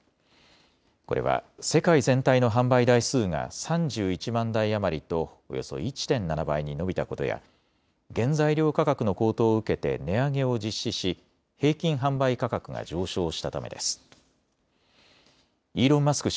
これは世界全体の販売台数が３１万台余りとおよそ１．７倍に伸びたことや原材料価格の高騰を受けて値上げを実施し平均販売価格が上昇したためです。イーロン・マスク